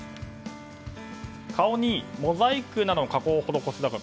顔にモザイクなどの加工をするなと。